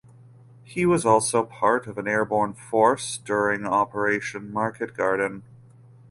He was also part of an airborne force during Operation Market Garden.